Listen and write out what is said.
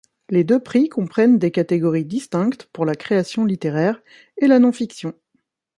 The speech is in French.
Les deux prix comprennent des catégories distinctes pour la création littéraire et la non-fiction.